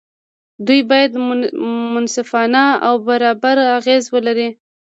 دوی باید منصفانه او برابر اغېز ولري.